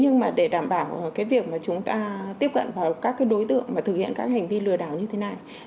nhưng để đảm bảo việc chúng ta tiếp cận vào các đối tượng thực hiện các hành vi lừa đảo như thế này